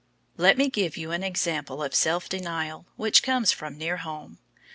Let me give you an example of self denial which comes from near home.